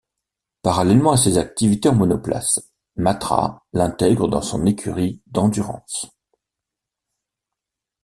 Parallèlement à ses activités en monoplace, Matra l’intègre dans son écurie d’Endurance.